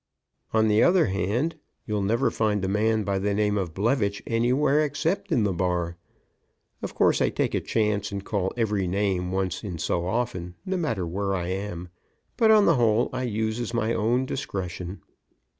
On the other hand, you'll never find a man by the name of Blevitch anywhere except in the bar. Of course, I take a chance and call every name once in so often, no matter where I am, but, on the whole, I uses my own discretion."